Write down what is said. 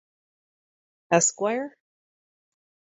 Esq.